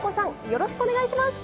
よろしくお願いします！